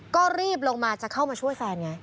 ก็รีบลงมาจะเข้ามาช่วยแฟนไง